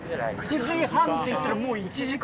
９時半といったらもう１時間。